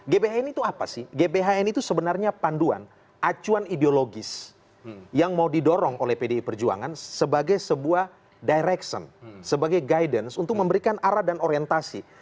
gbhn itu apa sih gbhn itu sebenarnya panduan acuan ideologis yang mau didorong oleh pdi perjuangan sebagai sebuah direction sebagai guidance untuk memberikan arah dan orientasi